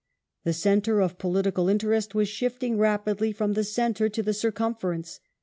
The centre of political interest was shifting rapidly from the centre to the circumference.